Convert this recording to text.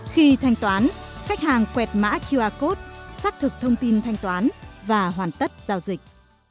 khi thanh toán khách hàng quẹt mã qr code xác thực thông tin thanh toán và hoàn tất giao dịch